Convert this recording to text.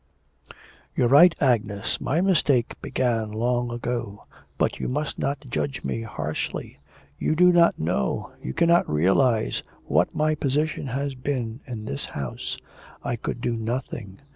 'You're right, Agnes. My mistake began long ago. But you must not judge me harshly. You do not know, you cannot realise what my position has been in this house. I could do nothing.